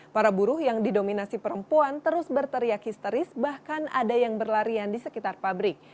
para buruh yang didominasi perempuan terus berteriak histeris bahkan ada yang berlarian di sekitar pabrik